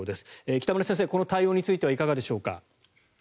北村先生、この対応についてはいかがでしょうか。